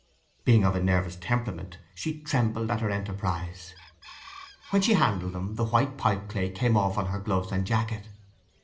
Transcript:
Being of a nervous temperament she trembled at her enterprise. When she handled them the white pipeclay came off on her gloves and jacket.